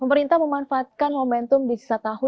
pemerintah memanfaatkan momentum di sisa tahun dua ribu dua puluh